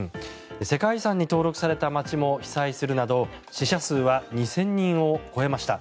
世界遺産に登録された街も被災するなど死者数は２０００人を超えました。